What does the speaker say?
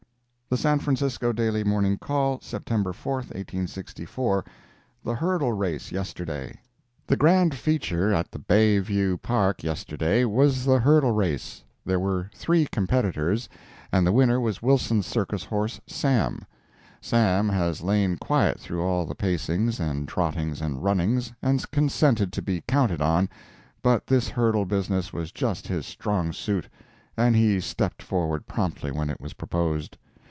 The San Francisco Daily Morning Call, September 4, 1864 THE HURDLE RACE YESTERDAY The grand feature at the Bay View Park yesterday, was the hurdle race. There were three competitors, and the winner was Wilson's circus horse, "Sam." Sam has lain quiet through all the pacings and trottings and runnings, and consented to be counted out, but this hurdle business was just his strong suit, and he stepped forward promptly when it was proposed.